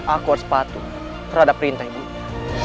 aku harus patuh terhadap perintah ibu